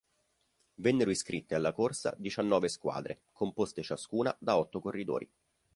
Vennero iscritte alla corsa diciannove squadre, composte ciascuna da otto corridori.